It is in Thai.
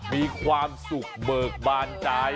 มีความสุขเบิกบานใจ